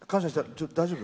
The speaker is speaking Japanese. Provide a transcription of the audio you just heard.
ちょっと、大丈夫？